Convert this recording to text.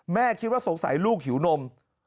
แม่คิดว่าสงสัยลูกหิวนม